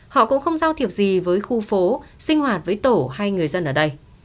họ cũng không giao thiệp gì với khu phố sinh hoạt với tổ hay người dân ở đây